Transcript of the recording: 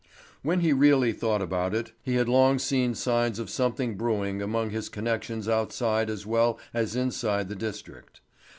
When he really thought about it, he had long seen signs of something brewing among his connections outside as well as inside the district.